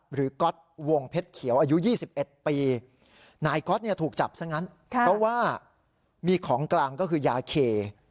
ก๊อตวงเพชรเขียวอายุ๒๑ปีนายก๊อตเนี่ยถูกจับซะงั้นเพราะว่ามีของกลางก็คือยาเค